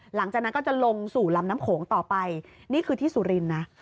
หลังจากนั้นก็จะลงสู่ลำน้ำโขงต่อไปนี่คือที่สุรินทร์นะ